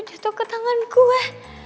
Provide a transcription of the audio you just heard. jatuh ke tangan gue